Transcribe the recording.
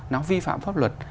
nó vi phạm pháp luật